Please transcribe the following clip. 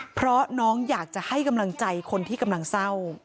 เพราะน้องอยากจะให้กำลังใจคนที่กำลังเศร้า